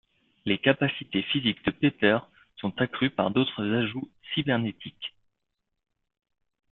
Les capacités physiques de Pepper sont accrues par d’autres ajouts cybernétiques.